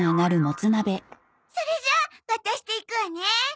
それじゃあ渡していくわね。